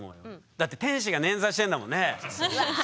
だって天使が捻挫してんだもんねえ。